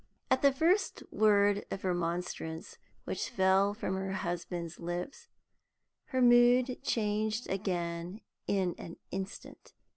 At the first word of remonstrance which fell from her husband's lips her mood changed again in an instant.